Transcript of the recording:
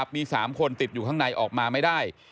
มี๓คนติดอยู่ข้างในออกมาไม่ได้